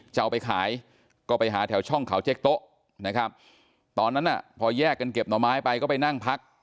จะเอาไปขายก็ไปหาแถวช่องเขาเจ๊กโต๊ะนะครับตอนนั้นน่ะพอแยกกันเก็บหน่อไม้ไปก็ไปนั่งพัก